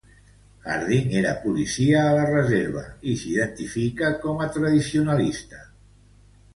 Harding era policia a la reserva i s'identifica com a tradicionalista.